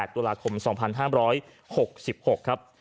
ตุลาคม๒๕๖๖ครับ